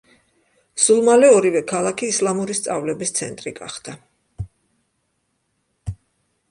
სულ მალე ორივე ქალაქი ისლამური სწავლების ცენტრი გახდა.